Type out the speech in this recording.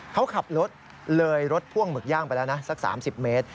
เขาขับรถเลยรถพ่วงหมึกย่างไปแล้วนะสัก๓๐เมตร